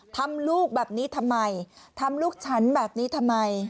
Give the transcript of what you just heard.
ทำลูกแบบนี้ทำไมทำลูกฉันแบบนี้ทำไม